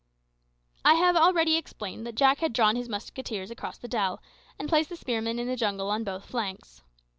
I have already explained that Jack had drawn his musketeers across the dell, and placed the spearmen in the jungle on both flanks.